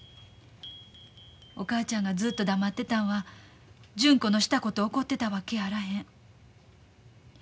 お母ちゃんがずっと黙ってたんは純子のしたことを怒ってたわけやあらへん。